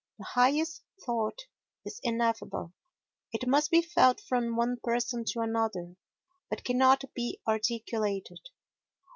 The highest thought is ineffable; it must be felt from one person to another but cannot be articulated.